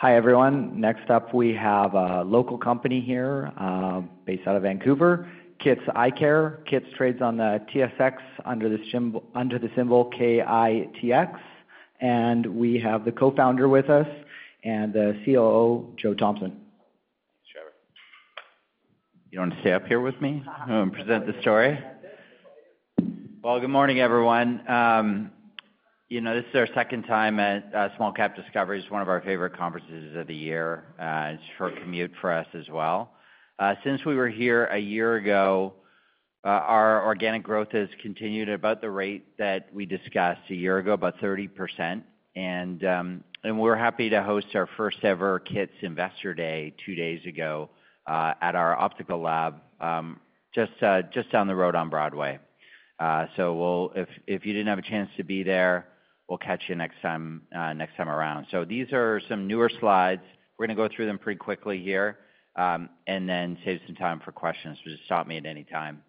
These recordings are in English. Hi, everyone. Next up, we have a local company here, based out of Vancouver, KITS Eyecare. KITS trades on the TSX under the symbol KITX, and we have the co-founder with us and the COO, Joe Thompson. Sure. You want to stay up here with me, and present the story? Good morning, everyone. You know, this is our second time at Small Cap Discoveries. It's one of our favorite conferences of the year. It's a short commute for us as well. Since we were here a year ago, our organic growth has continued at about the rate that we discussed a year ago, about 30%. We're happy to host our first ever KITS Investor Day two days ago at our optical lab just down the road on Broadway. If you didn't have a chance to be there, we'll catch you next time around. These are some newer slides. We're gonna go through them pretty quickly here, and then save some time for questions, so just stop me at any time.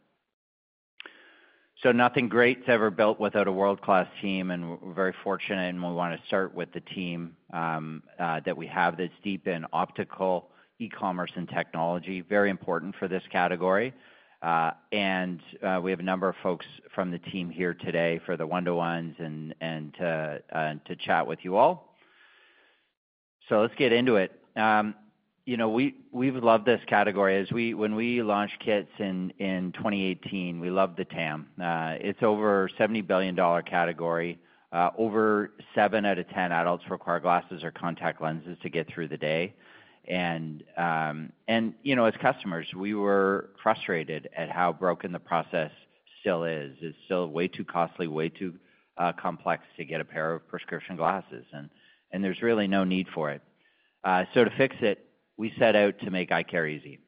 So nothing great's ever built without a world-class team, and we're very fortunate, and we wanna start with the team, that we have that's deep in optical, e-commerce, and technology, very important for this category. And we have a number of folks from the team here today for the one-to-ones and to chat with you all. So let's get into it. You know, we, we've loved this category. As we—When we launched KITS in 2018, we loved the TAM. It's over $70 billion category, over 7 out of 10 adults require glasses or contact lenses to get through the day. And, you know, as customers, we were frustrated at how broken the process still is. It's still way too costly, way too complex to get a pair of prescription glasses, and there's really no need for it. So to fix it, we set out to make eye care easy.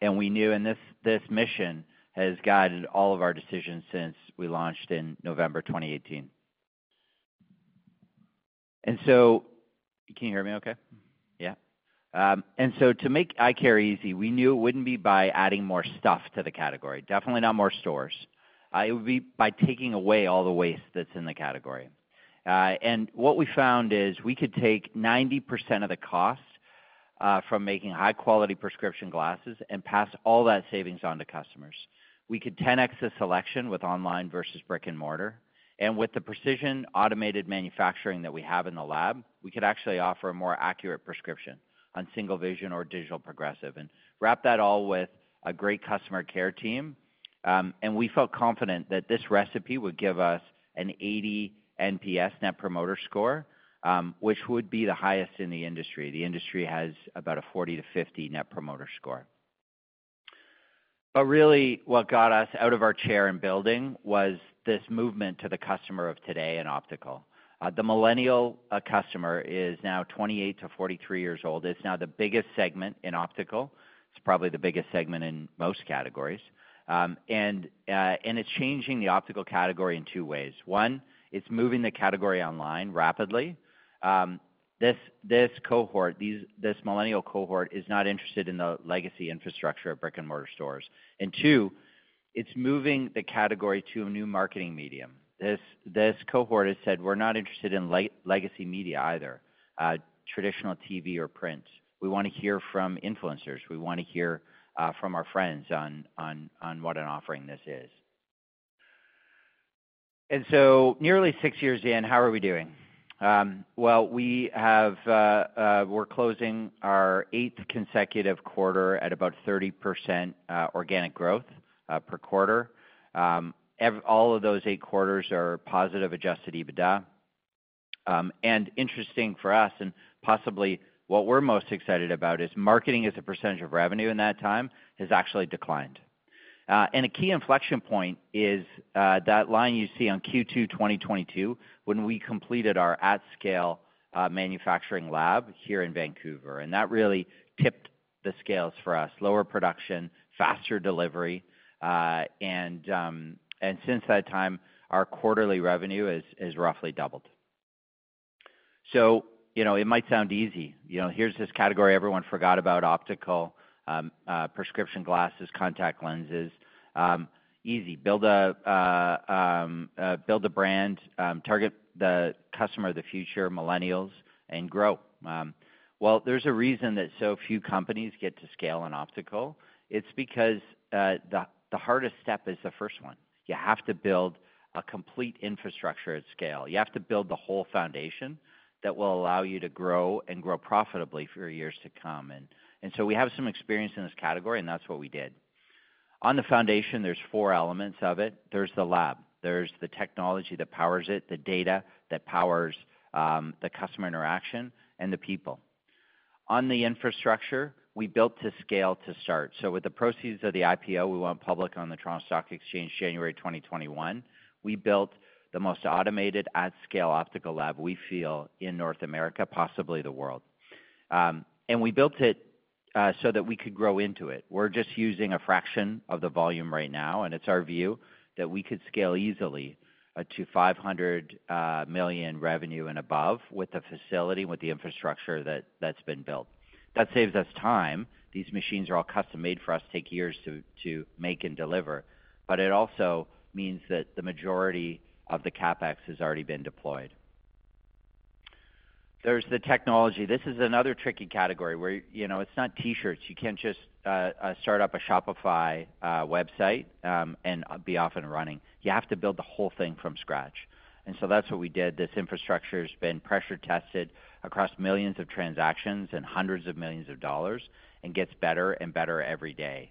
And we knew, this mission has guided all of our decisions since we launched in November 2018. And so... Can you hear me okay? Yeah. And so to make eye care easy, we knew it wouldn't be by adding more stuff to the category, definitely not more stores. And what we found is, we could take 90% of the cost from making high-quality prescription glasses and pass all that savings on to customers. We could 10X the selection with online versus brick-and-mortar, and with the precision automated manufacturing that we have in the lab, we could actually offer a more accurate prescription on single vision or digital progressive, and wrap that all with a great customer care team. And we felt confident that this recipe would give us an 80 NPS, Net Promoter Score, which would be the highest in the industry. The industry has about a 40-50 Net Promoter Score. But really, what got us out of our chair and building, was this movement to the customer of today in optical. The Millennial customer is now 28-43 years old, it's now the biggest segment in optical. It's probably the biggest segment in most categories. And it's changing the optical category in two ways. One, it's moving the category online rapidly. This millennial cohort is not interested in the legacy infrastructure of brick-and-mortar stores. And two, it's moving the category to a new marketing medium. This cohort has said, "We're not interested in legacy media either, traditional TV or print. We wanna hear from influencers. We wanna hear from our friends on what an offering this is." And so nearly six years in, how are we doing? We're closing our eighth consecutive quarter at about 30% organic growth per quarter. All of those eight quarters are positive adjusted EBITDA. And interesting for us, and possibly what we're most excited about, is marketing as a percentage of revenue in that time, has actually declined. And a key inflection point is that line you see on Q2 2022, when we completed our at-scale manufacturing lab here in Vancouver, and that really tipped the scales for us. Lower production, faster delivery, and since that time, our quarterly revenue is roughly doubled. So, you know, it might sound easy. You know, here's this category everyone forgot about, optical, prescription glasses, contact lenses. Easy. Build a brand, target the customer of the future, millennials, and grow. Well, there's a reason that so few companies get to scale in optical. It's because the hardest step is the first one. You have to build a complete infrastructure at scale. You have to build the whole foundation that will allow you to grow and grow profitably for years to come. So we have some experience in this category, and that's what we did. On the foundation, there's four elements of it: There's the lab, there's the technology that powers it, the data that powers the customer interaction, and the people. On the infrastructure, we built to scale to start. So with the proceeds of the IPO, we went public on the Toronto Stock Exchange, January 2021. We built the most automated at-scale optical lab, we feel, in North America, possibly the world. And we built it so that we could grow into it. We're just using a fraction of the volume right now, and it's our view that we could scale easily to 500 million revenue and above, with the facility, with the infrastructure that's been built. That saves us time. These machines are all custom-made for us, take years to make and deliver, but it also means that the majority of the CapEx has already been deployed. There's the technology. This is another tricky category where, you know, it's not T-shirts. You can't just start up a Shopify website and be off and running. You have to build the whole thing from scratch, and so that's what we did. This infrastructure's been pressure tested across millions of transactions and hundreds of millions of dollars and gets better and better every day.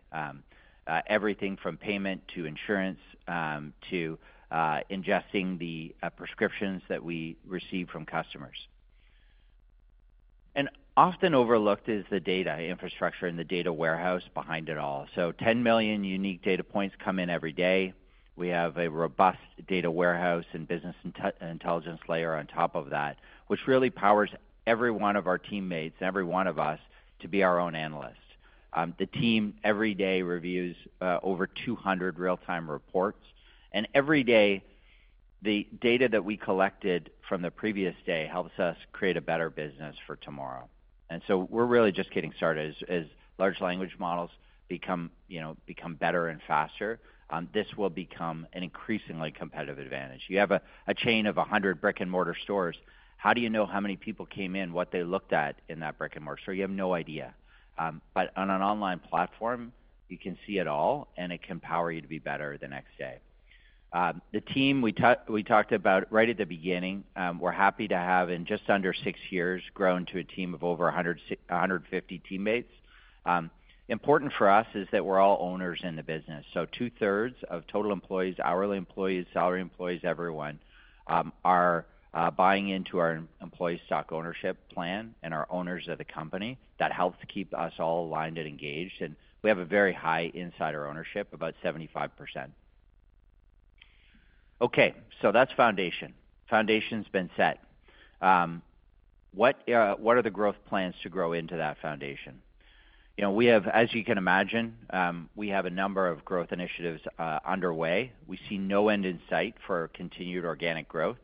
Everything from payment to insurance to ingesting the prescriptions that we receive from customers, and often overlooked is the data infrastructure and the data warehouse behind it all. So 10 million unique data points come in every day. We have a robust data warehouse and business intelligence layer on top of that, which really powers every one of our teammates, every one of us, to be our own analyst. The team, every day, reviews over 200 real-time reports, and every day, the data that we collected from the previous day helps us create a better business for tomorrow. So we're really just getting started. As large language models become, you know, better and faster, this will become an increasingly competitive advantage. You have a chain of 100 brick-and-mortar stores. How do you know how many people came in, what they looked at in that brick-and-mortar store? You have no idea. But on an online platform, you can see it all, and it can power you to be better the next day. The team we talked about right at the beginning, we're happy to have, in just under six years, grown to a team of over a hundred and fifty teammates. Important for us is that we're all owners in the business, so two-thirds of total employees, hourly employees, salary employees, everyone, are buying into our employee stock ownership plan and are owners of the company. That helps keep us all aligned and engaged, and we have a very high insider ownership, about 75%. Okay, so that's foundation. Foundation's been set. What are the growth plans to grow into that foundation? You know, we have, as you can imagine, we have a number of growth initiatives underway. We see no end in sight for continued organic growth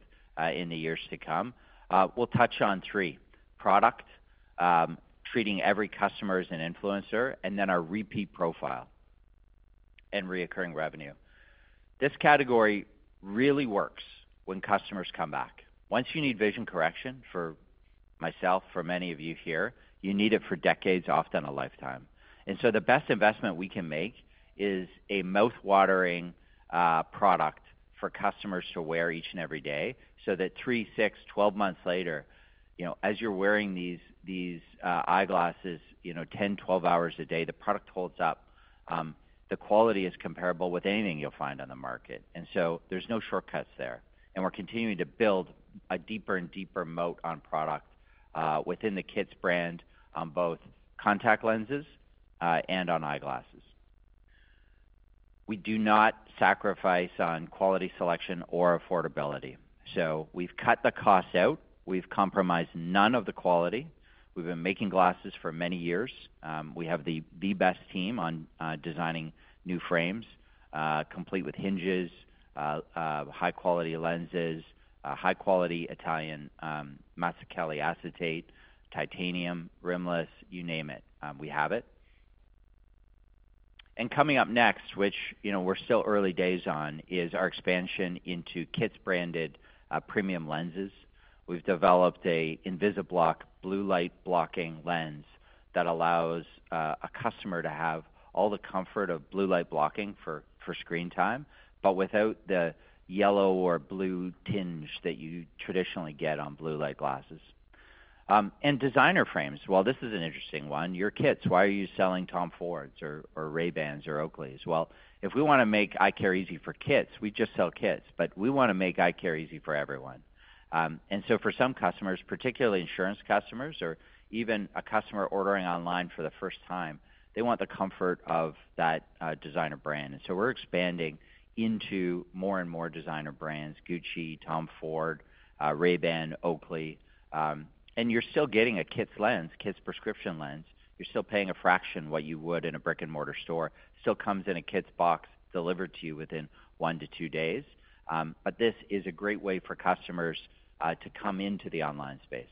in the years to come. We'll touch on three: product, treating every customer as an influencer, and then our repeat profile and recurring revenue. This category really works when customers come back. Once you need vision correction, for myself, for many of you here, you need it for decades, often a lifetime. And so the best investment we can make is a mouth-watering, product for customers to wear each and every day, so that three, six, twelve months later, you know, as you're wearing these, eyeglasses, you know, ten, twelve hours a day, the product holds up. The quality is comparable with anything you'll find on the market, and so there's no shortcuts there. And we're continuing to build a deeper and deeper moat on product, within the KITS brand on both contact lenses, and on eyeglasses. We do not sacrifice on quality, selection, or affordability. So we've cut the costs out. We've compromised none of the quality. We've been making glasses for many years. We have the best team on designing new frames, complete with hinges, high-quality lenses, high-quality Italian Mazzucchelli acetate, titanium, rimless, you name it, we have it. And coming up next, which, you know, we're still early days on, is our expansion into KITS-branded premium lenses. We've developed a Invisiblock blue light blocking lens that allows a customer to have all the comfort of blue light blocking for screen time, but without the yellow or blue tinge that you traditionally get on blue light glasses. And designer frames. Well, this is an interesting one. You're KITS, why are you selling Tom Fords or Ray-Bans or Oakleys? If we want to make eye care easy for KITS, we just sell KITS, but we want to make eye care easy for everyone, and so for some customers, particularly insurance customers or even a customer ordering online for the first time, they want the comfort of that designer brand, and so we're expanding into more and more designer brands, Gucci, Tom Ford, Ray-Ban, Oakley, and you're still getting a KITS lens, KITS prescription lens. You're still paying a fraction what you would in a brick-and-mortar store. Still comes in a KITS box, delivered to you within one to two days, but this is a great way for customers to come into the online space.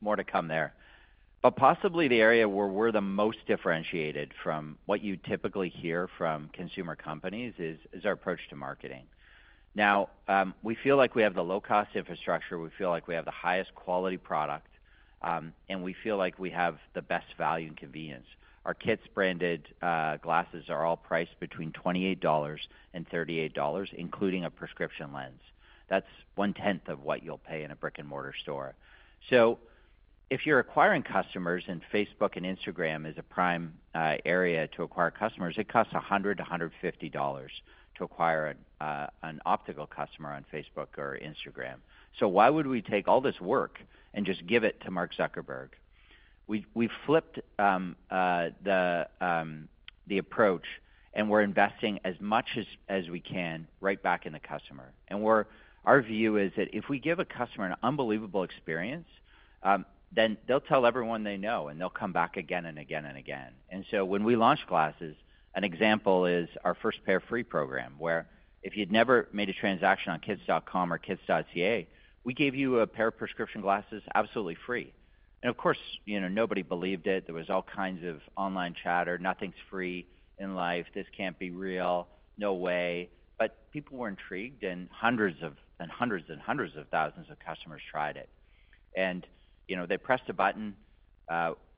More to come there, but possibly the area where we're the most differentiated from what you typically hear from consumer companies is our approach to marketing. Now, we feel like we have the low-cost infrastructure, we feel like we have the highest quality product, and we feel like we have the best value and convenience. Our KITS-branded glasses are all priced between 28 dollars and 38 dollars, including a prescription lens. That's one-tenth of what you'll pay in a brick-and-mortar store. So if you're acquiring customers, and Facebook and Instagram is a prime area to acquire customers, it costs 100-150 dollars to acquire an optical customer on Facebook or Instagram. So why would we take all this work and just give it to Mark Zuckerberg? We flipped the approach, and we're investing as much as we can right back in the customer. And we're, our view is that if we give a customer an unbelievable experience, then they'll tell everyone they know, and they'll come back again and again and again. And so when we launched glasses, an example is our First Pair Free program, where if you'd never made a transaction on KITS.com or KITS.ca, we gave you a pair of prescription glasses absolutely free. And of course, you know, nobody believed it. There was all kinds of online chatter. "Nothing's free in life. This can't be real. No way." But people were intrigued, and hundreds and hundreds of thousands of customers tried it. And, you know, they pressed a button.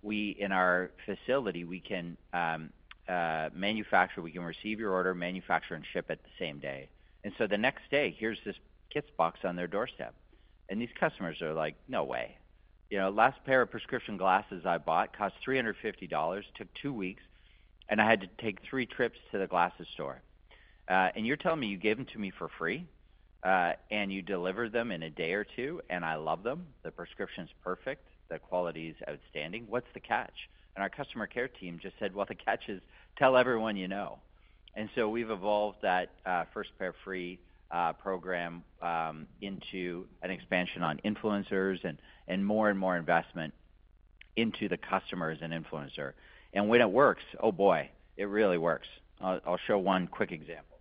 We, in our facility, we can manufacture. We can receive your order, manufacture, and ship it the same day. And so the next day, here's this KITS box on their doorstep, and these customers are like: "No way. You know, last pair of prescription glasses I bought cost 350 dollars, took two weeks, and I had to take three trips to the glasses store. And you're telling me you gave them to me for free, and you delivered them in a day or two, and I love them. The prescription's perfect. The quality is outstanding. What's the catch?" And our customer care team just said, "Well, the catch is tell everyone you know." And so we've evolved that First Pair Free program into an expansion on influencers and more and more investment into the customers and influencer. And when it works, oh, boy, it really works. I'll show one quick example.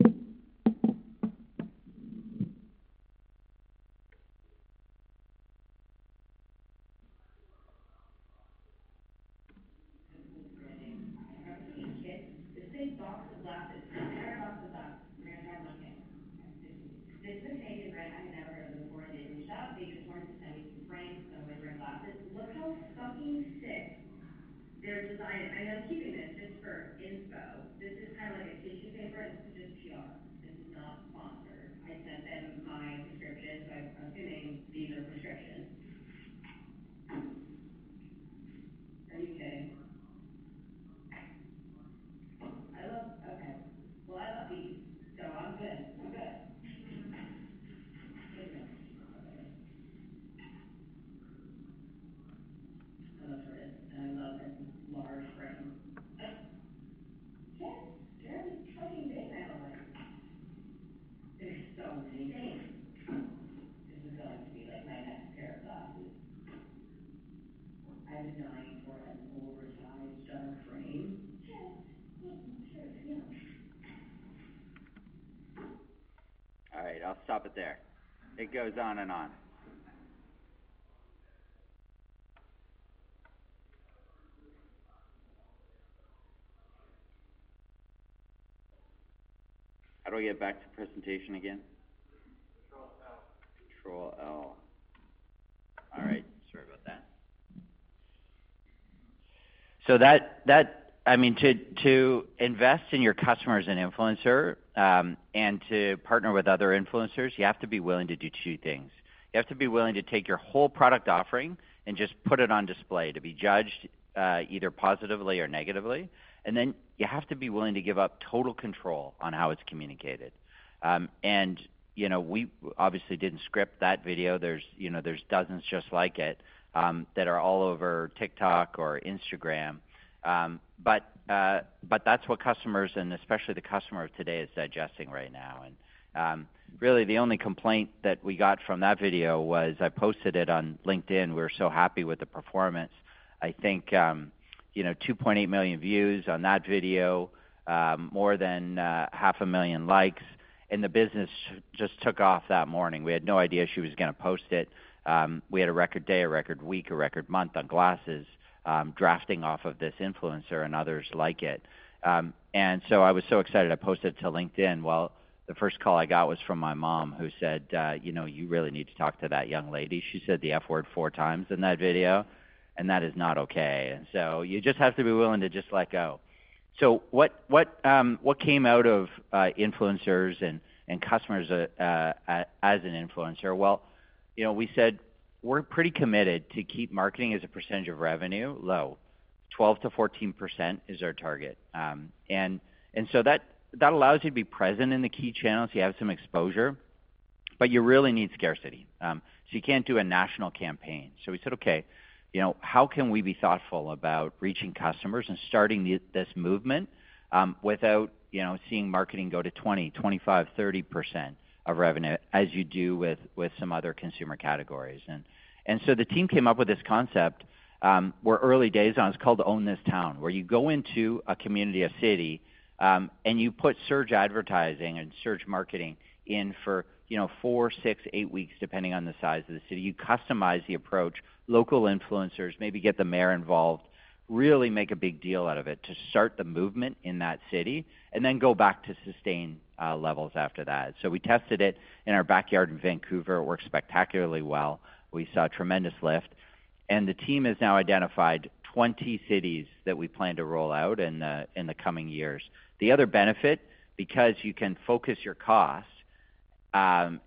and to partner with other influencers, you have to be willing to do two things. You have to be willing to take your whole product offering and just put it on display to be judged, either positively or negatively, and then you have to be willing to give up total control on how it's communicated. And, you know, we obviously didn't script that video. There's, you know, dozens just like it, that are all over TikTok or Instagram. But that's what customers and especially the customer of today, is digesting right now, and really, the only complaint that we got from that video was I posted it on LinkedIn. We're so happy with the performance. I think, you know, 2.8 million views on that video, more than 500,000 likes, and the business just took off that morning. We had no idea she was gonna post it. We had a record day, a record week, a record month on glasses, drafting off of this influencer and others like it. And so I was so excited, I posted to LinkedIn. Well, the first call I got was from my mom, who said, "You know, you really need to talk to that young lady. She said the F word four times in that video, and that is not okay." And so you just have to be willing to just let go. So what came out of influencers and customers as an influencer? You know, we said we're pretty committed to keep marketing as a percentage of revenue low. 12-14% is our target. And so that allows you to be present in the key channels. You have some exposure, but you really need scarcity. So you can't do a national campaign. So we said, "Okay, you know, how can we be thoughtful about reaching customers and starting this movement, without, you know, seeing marketing go to 20%, 25%, 30% of revenue, as you do with some other consumer categories?" And so the team came up with this concept, we're early days on. It's called Own This Town, where you go into a community, a city, and you put search advertising and search marketing in for, you know, four, six, eight weeks, depending on the size of the city. You customize the approach, local influencers, maybe get the mayor involved, really make a big deal out of it to start the movement in that city and then go back to sustain levels after that. So we tested it in our backyard in Vancouver. It worked spectacularly well. We saw a tremendous lift, and the team has now identified 20 cities that we plan to roll out in the coming years. The other benefit, because you can focus your costs,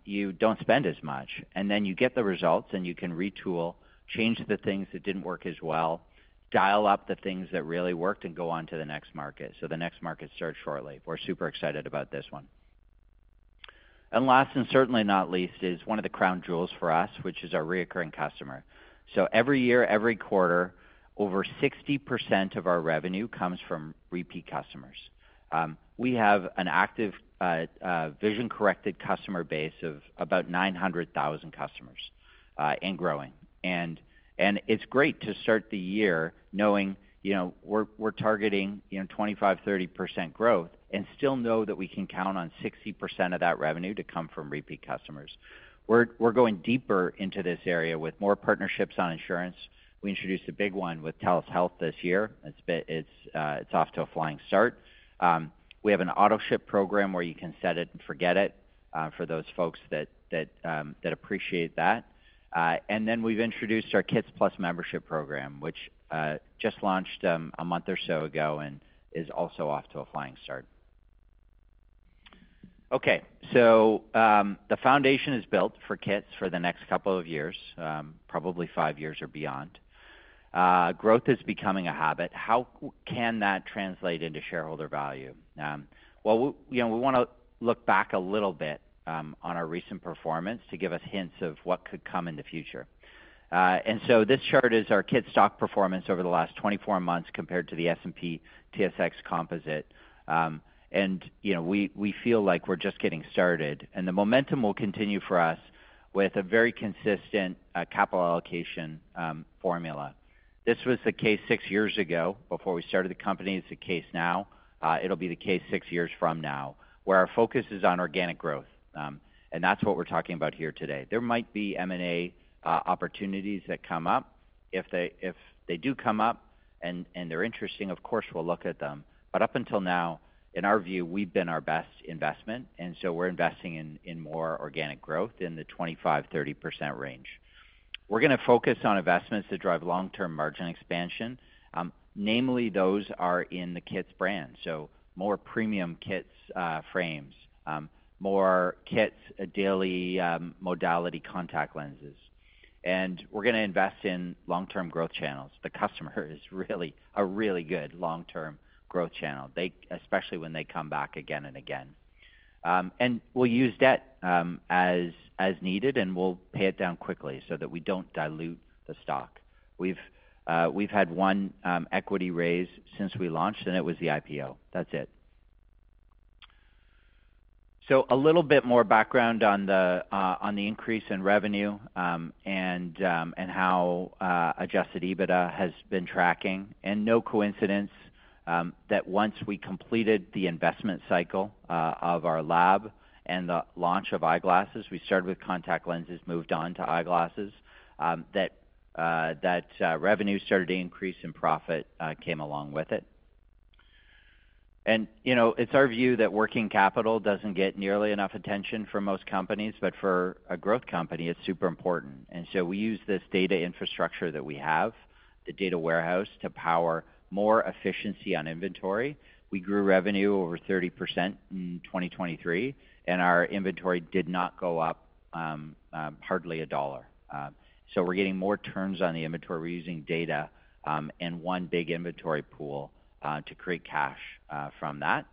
you don't spend as much, and then you get the results, and you can retool, change the things that didn't work as well, dial up the things that really worked, and go on to the next market. So the next market starts shortly. We're super excited about this one. And last, and certainly not least, is one of the crown jewels for us, which is our recurring customer. So every year, every quarter, over 60% of our revenue comes from repeat customers. We have an active vision-corrected customer base of about 900,000 customers, and growing. And it's great to start the year knowing, you know, we're targeting, you know, 25%-30% growth and still know that we can count on 60% of that revenue to come from repeat customers. We're going deeper into this area with more partnerships on insurance. We introduced a big one with Telus Health this year. It's been. It's off to a flying start. We have an autoship program where you can set it and forget it, for those folks that appreciate that. And then we've introduced our KITS Plus Membership program, which just launched a month or so ago and is also off to a flying start. Okay, so the foundation is built for KITS for the next couple of years, probably five years or beyond. Growth is becoming a habit. How can that translate into shareholder value? Well, you know, we wanna look back a little bit on our recent performance to give us hints of what could come in the future. And so this chart is our KITS stock performance over the last twenty-four months compared to the S&P/TSX Composite. And, you know, we feel like we're just getting started, and the momentum will continue for us with a very consistent capital allocation formula. This was the case six years ago before we started the company. It's the case now. It'll be the case six years from now, where our focus is on organic growth. And that's what we're talking about here today. There might be M&A opportunities that come up. If they do come up and they're interesting, of course, we'll look at them. But up until now, in our view, we've been our best investment, and so we're investing in more organic growth in the 25%-30% range. We're gonna focus on investments that drive long-term margin expansion. Namely, those are in the KITS brand, so more premium KITS frames, more KITS daily modality contact lenses. And we're gonna invest in long-term growth channels. The customer is really a really good long-term growth channel, especially when they come back again and again. And we'll use debt as needed, and we'll pay it down quickly so that we don't dilute the stock. We've had one equity raise since we launched, and it was the IPO. That's it. So a little bit more background on the increase in revenue and how Adjusted EBITDA has been tracking. And no coincidence that once we completed the investment cycle of our lab and the launch of eyeglasses, we started with contact lenses, moved on to eyeglasses, that revenue started to increase and profit came along with it. And, you know, it's our view that working capital doesn't get nearly enough attention for most companies, but for a growth company, it's super important. And so we use this data infrastructure that we have, the data warehouse, to power more efficiency on inventory. We grew revenue over 30% in 2023, and our inventory did not go up, hardly a dollar. So we're getting more turns on the inventory. We're using data, and one big inventory pool, to create cash, from that,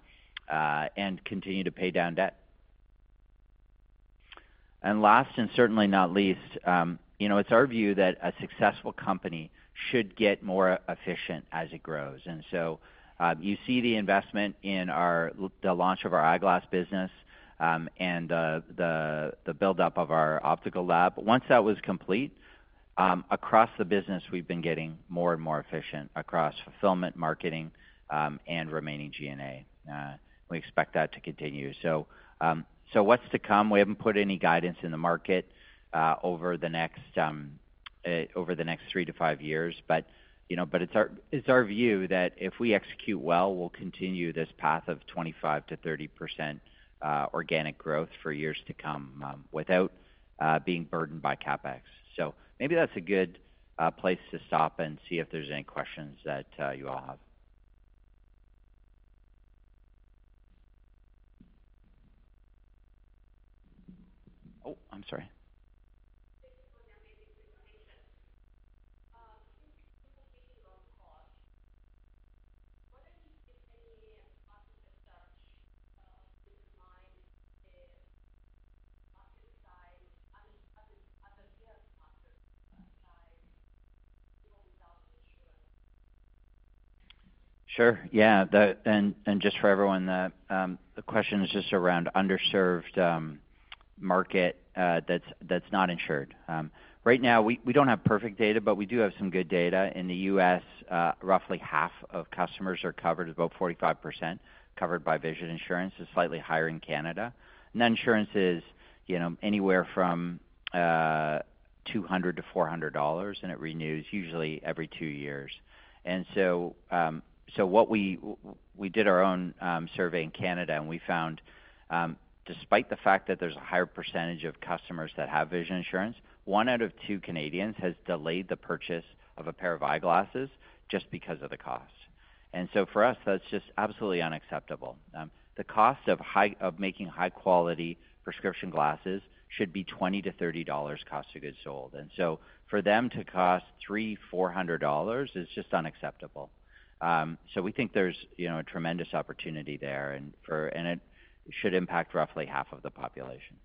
and continue to pay down debt. And last, and certainly not least, you know, it's our view that a successful company should get more efficient as it grows. And so, you see the investment in our, the launch of our eyeglass business, and the buildup of our optical lab. Once that was complete, across the business, we've been getting more and more efficient across fulfillment, marketing, and remaining G&A. We expect that to continue. So, so what's to come? We haven't put any guidance in the market, over the next three to five years. But, you know, but it's our view that if we execute well, we'll continue this path of 25%-30% organic growth for years to come, without being burdened by CapEx. So maybe that's a good place to stop and see if there's any questions that you all have. Oh, I'm sorry. Thank you for your amazing information. Sure. Yeah, and just for everyone, the question is just around the underserved market that's not insured. Right now, we don't have perfect data, but we do have some good data. In the U.S., roughly half of customers are covered, about 45%, covered by vision insurance. It's slightly higher in Canada. Insurance is, you know, anywhere from $200-$400, and it renews usually every two years. So what we did our own survey in Canada, and we found, despite the fact that there's a higher percentage of customers that have vision insurance, one out of two Canadians has delayed the purchase of a pair of eyeglasses just because of the cost. So for us, that's just absolutely unacceptable. The cost of making high-quality prescription glasses should be 20-30 dollars cost of goods sold. And so for them to cost 300-400 dollars is just unacceptable. So we think there's, you know, a tremendous opportunity there and for... And it should impact roughly half of the population.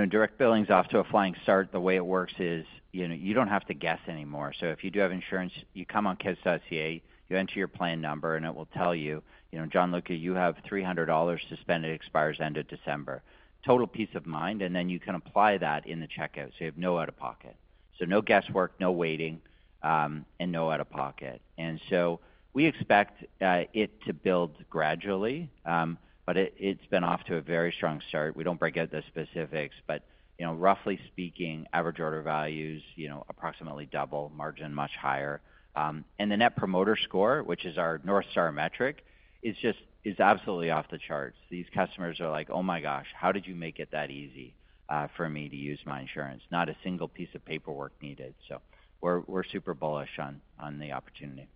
Can you speak, you know, on your building channels, especially after releasing on Shopify? How did the average order You know, direct billing is off to a flying start. The way it works is, you know, you don't have to guess anymore. So if you do have insurance, you come on KITS.ca, you enter your plan number, and it will tell you, you know, "John Luca, you have 300 dollars to spend. It expires end of December." Total peace of mind, and then you can apply that in the checkout, so you have no out-of-pocket. So no guesswork, no waiting, and no out-of-pocket. And so we expect it to build gradually, but it, it's been off to a very strong start. We don't break out the specifics, but, you know, roughly speaking, average order values, you know, approximately double, margin much higher. And the Net Promoter Score, which is our North Star metric, is just- it's absolutely off the charts. These customers are like, "Oh, my gosh, how did you make it that easy, for me to use my insurance?" Not a single piece of paperwork needed. We're super bullish on the opportunity.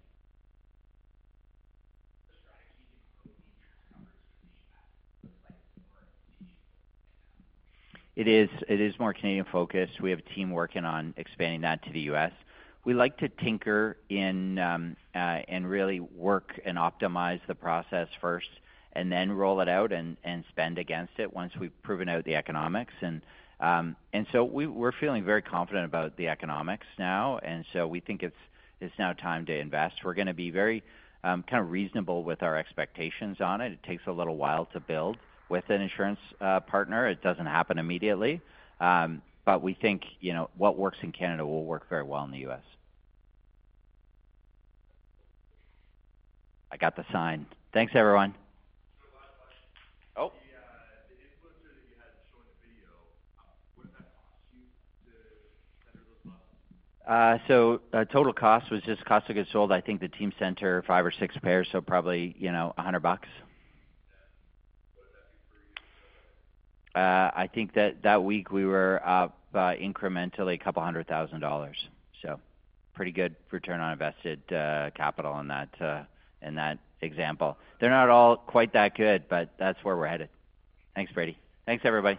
It is more Canadian-focused. We have a team working on expanding that to the U.S. We like to tinker in, and really work and optimize the process first, and then roll it out and spend against it once we've proven out the economics. And so we're feeling very confident about the economics now, and so we think it's now time to invest. We're gonna be very kind of reasonable with our expectations on it. It takes a little while to build with an insurance partner. It doesn't happen immediately, but we think, you know, what works in Canada will work very well in the US. I got the sign. Thanks, everyone. Last question. Oh! The influencer that you had shown in the video, what did that cost you to center those models? So our total cost was just cost of goods sold. I think the team sent her five or six pairs, so probably, you know, 100 bucks. What did that do for you? I think that week we were up incrementally 200,000 dollars. So pretty good return on invested capital on that in that example. They're not all quite that good, but that's where we're headed. Thanks, Brady. Thanks, everybody.